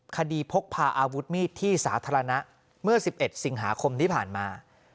พกพาอาวุธมีดที่สาธารณะเมื่อ๑๑สิงหาคมที่ผ่านมา